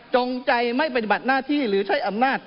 จงใจไม่ปฏิบัติหน้าที่หรือใช้อำนาจ